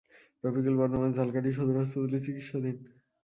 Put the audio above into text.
রফিকুল বর্তমানে ঝালকাঠি সদর হাসপাতালে চিকিৎসাধীন।